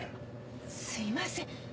すいません。